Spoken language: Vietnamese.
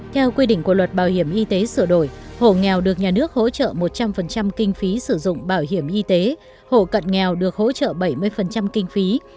theo quy định của luật bảo hiểm y tế sửa đổi hộ nghèo được nhà nước hỗ trợ một trăm linh kinh phí sử dụng bảo hiểm y tế hộ cận nghèo được hỗ trợ bảy mươi kinh phí